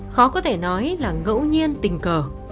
khó có thể nói là ngẫu nhiên tình cờ